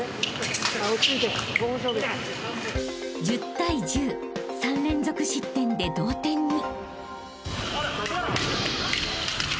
［１０対１０３連続失点で同点に］